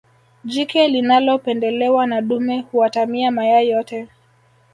jike linalopendelewa na dume huatamia mayai yote